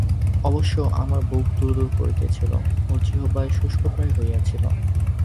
অবশ্য আমার বুক দুরদুর করিতেছিল ও জিহ্বা শুষ্কপ্রায় হইয়াছিল।